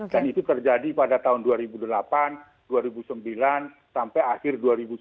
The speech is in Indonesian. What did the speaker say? dan itu terjadi pada tahun dua ribu delapan dua ribu sembilan sampai akhir dua ribu sepuluh